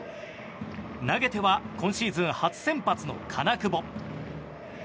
投げては今シーズン初先発の金久保。